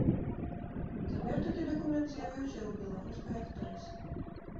Цяпер такі дакумент з'явіўся і ў беларускай актрысы.